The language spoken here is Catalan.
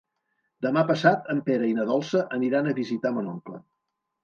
Demà passat en Pere i na Dolça aniran a visitar mon oncle.